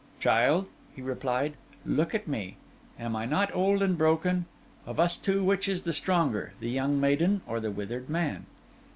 'Child,' he replied, 'look at me: am I not old and broken? Of us two, which is the stronger, the young maiden or the withered man?